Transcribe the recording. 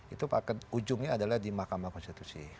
itu ujungnya adalah di mahkamah konstitusi